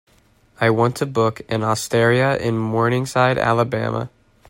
I want to book an osteria in Morningside Alabama.